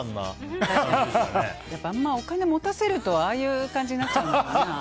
あまりお金を持たせるとああいう感じになっちゃうのかな。